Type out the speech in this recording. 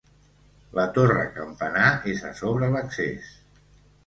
La torre campanar és a sobre l'accés.